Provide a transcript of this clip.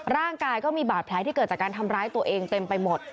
ร่างกายก็มีบาดแผลที่เกิดจากการทำร้ายตัวเองเต็มไปหมด